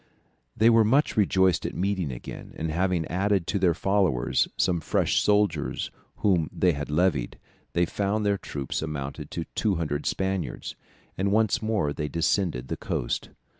They were much rejoiced at meeting again, and having added to their followers some fresh soldiers whom they had levied, they found their troops amounted to 200 Spaniards, and once more they descended the coast.